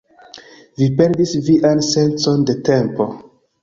Vi perdis vian sencon de tempo